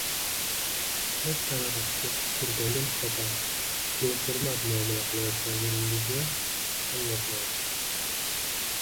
hech qanaqasiga kichkintoyga nisbatan behurmat muomala qilayotganligingizni anglatmaydi